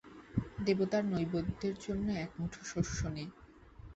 দেবতার নৈবেদ্যর জন্য এক মুঠো শস্য নে।